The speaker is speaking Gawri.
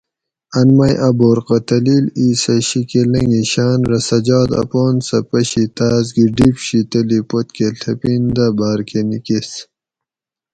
ان مئی ا بورقہ تلیل اِیسہ شِیکہ لنگی شاۤن رہ سجاد اپان سہ پشی تاۤس گھی ڈِیب شی تلی پتکہ ڷپین دہ باۤر کہ نِیکیس